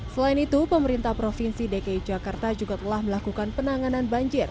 selain itu pemerintah provinsi dki jakarta juga telah melakukan penanganan banjir